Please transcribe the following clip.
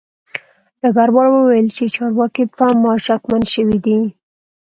ډګروال وویل چې چارواکي په ما شکمن شوي دي